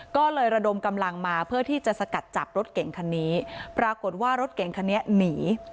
ก็เลยระดมกำลังมาเพื่อที่จะสกัดจับรถเก่งคันนี้ปรากฏว่ารถเก่งคันนี้หนี